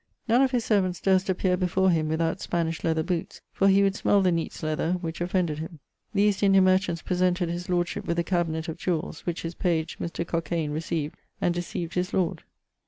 None of his servants durst appeare before him without Spanish leather bootes: for he would smell the neates leather, which offended him. The East India merchants presented his lordship with a cabinet of jewells, which his page, Mr. Cockaine, recieved, and decieved his lord.